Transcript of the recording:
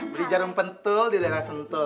beli jarum pentul di daerah sentul